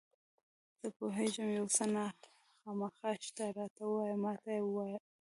زه پوهېږم یو څه خامخا شته، راته ووایه، ما ته یې ووایه.